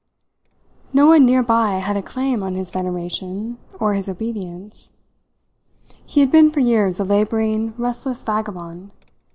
No one near by had a claim on his veneration or his obedience. He had been for years a labouring restless vagabond.